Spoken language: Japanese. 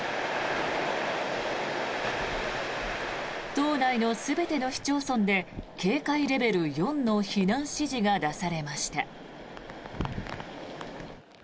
島内の全ての市町村で警戒レベル４の避難指示が出されました。